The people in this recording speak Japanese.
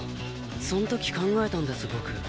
その時考えたんです僕。